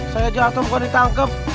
saya jatuh gua ditangkep